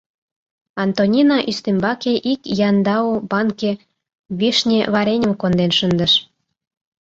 Антонина ӱстембаке ик яндау банке вишне вареньым конден шындыш.